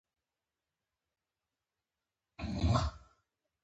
ښه خدمت د اوږدمهاله بری راز دی.